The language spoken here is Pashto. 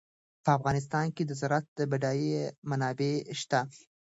په افغانستان کې د زراعت بډایه منابع شته.